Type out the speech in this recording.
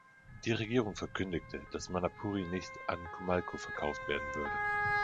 Die Regierung verkündigte, dass Manapouri nicht an Comalco verkauft werden würde.